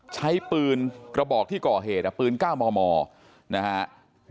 ใช้ปืนกระบอกที่ก่อเหตุปืน๙มมนะฮะ